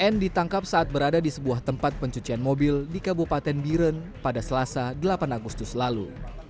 n ditangkap saat berada di sebuah tempat pencucian mobil di kabupaten biren pada selasa delapan agustus lalu